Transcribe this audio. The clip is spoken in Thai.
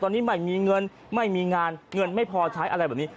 ตอนนี้ไม่มีเงินไม่มีงานเงินไม่พอใช้อะไรแบบนี้